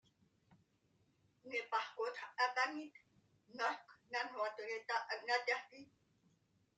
Il est par contre invalide lorsque la loi de l’État l’interdit.